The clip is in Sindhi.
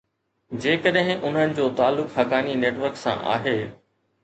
جيڪڏهن انهن جو تعلق حقاني نيٽ ورڪ سان آهي.